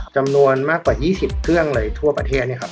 จำนวนมากกว่า๒๐เครื่องเลยทั่วประเทศเนี่ยครับ